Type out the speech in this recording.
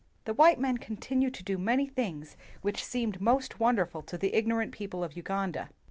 The white men continued to do many things which seemed most wonderful to the ignorant people of Uganda.